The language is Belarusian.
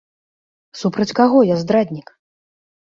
Супраць каго я здраднік?!